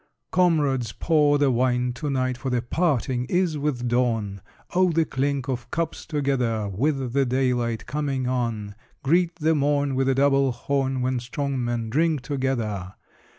Comrades, pour the wine to night For the parting is with dawn! Oh, the clink of cups together, With the daylight coming on! Greet the morn With a double horn, When strong men drink together!